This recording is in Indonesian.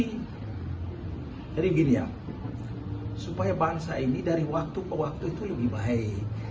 jadi gini ya supaya bangsa ini dari waktu ke waktu itu lebih baik